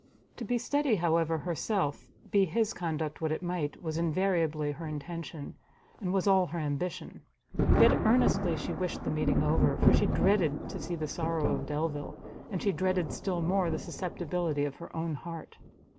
To be steady, however, herself, be his conduct what it might, was invariably her intention, and was all her ambition: yet earnestly she wished the meeting over, for she dreaded to see the sorrow of Delvile, and she dreaded still more the susceptibility of her own heart.